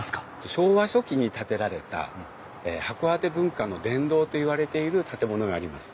昭和初期に建てられた函館文化の殿堂といわれている建物があります。